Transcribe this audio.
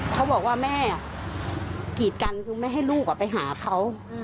เขาบอกว่าแม่กีดกันคือไม่ให้ลูกไปหาเขา